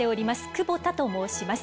久保田と申します。